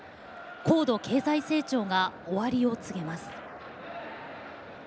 高度経済成長が終わりを告げます。